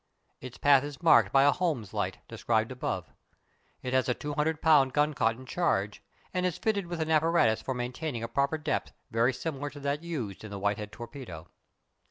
Its path is marked by a Holmes light, described above. It has a 200 lb. gun cotton charge, and is fitted with an apparatus for maintaining a proper depth very similar to that used in the Whitehead torpedo.